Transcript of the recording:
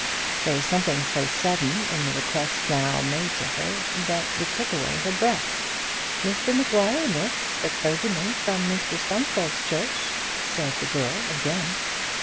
There was something so sudden in the request now made to her, that it took away her breath. "Mr Maguire, Miss, the clergyman from Mr Stumfold's church," said the girl again.